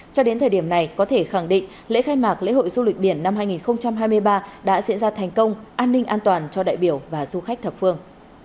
cho đến thời điểm này có thể khẳng định lễ khai mạc lễ hội du lịch biển năm hai nghìn hai mươi ba đã diễn ra thành công an ninh an toàn cho đại biểu và du khách thập phương